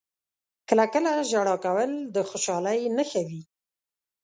• کله کله ژړا کول د خوشحالۍ نښه وي.